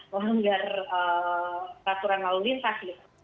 melanggar peraturan lalu lintas gitu